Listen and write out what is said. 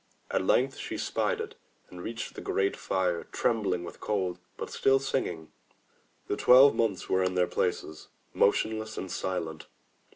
At length she spied it, and reached the great fire, trembling with cold, but still singing. The Twelve Months were in their places, motionless and silent.